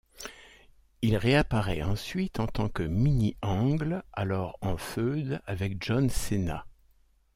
Il réapparait ensuite en tant que Mini-Angle, alors en feud avec John Cena.